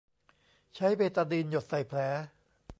ใช้เบตาดีนหยดใส่แผล